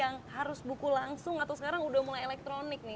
yang harus buku langsung atau sekarang udah mulai elektronik nih